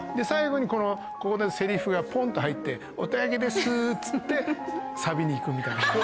最後にここでセリフがポンっと入って「お手上げですー」っつってサビに行くみたいな。